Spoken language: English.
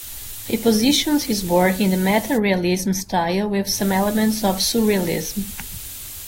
He positions his work in the meta-realism style with some elements of surrealism.